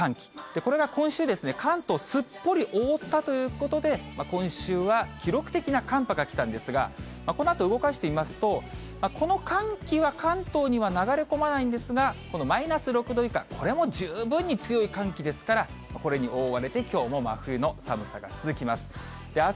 これが今週、関東をすっぽり覆ったということで、今週は記録的な寒波が来たんですが、このあと動かしてみますと、この寒気は関東には流れ込まないんですが、このマイナス６度以下、これも十分に強い寒気ですから、これに覆われて、きょうも真冬の寒さが続きます。